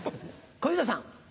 小遊三さん。